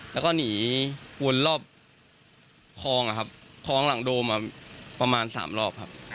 แล้วก็หนีวนรอบคลองหลังโดมาประมาณ๓รอบ